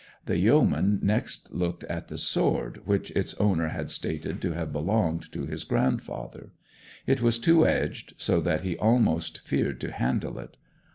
The yeoman next looked at the sword which its owner had stated to have belonged to his grandfather. It was two edged, so that he almost feared to handle it.